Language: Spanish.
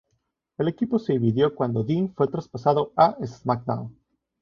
El equipo se dividió cuando Dean fue traspasado a "SmackDown!